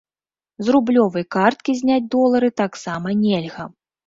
З рублёвай карткі зняць долары таксама нельга.